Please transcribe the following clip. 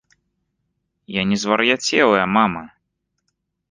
Я не звар'яцелая мама!